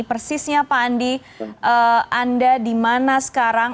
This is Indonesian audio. persisnya pak andi anda di mana sekarang